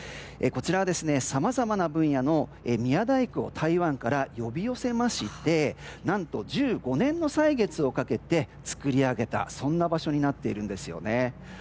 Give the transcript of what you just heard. こちらはさまざまな分野の宮大工を台湾から呼び寄せて何と１５年の歳月をかけて造り上げた、そんな場所になっているんですよね。